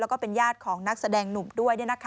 แล้วก็เป็นญาติของนักแสดงหนุ่มด้วย